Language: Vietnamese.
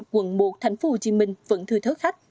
quận một tp hcm vẫn thư thớ khách